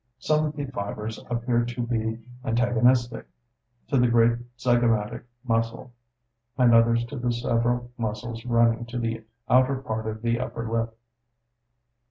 Some of the fibres appear to be antagonistic to the great zygomatic muscle, and others to the several muscles running to the outer part of the upper lip.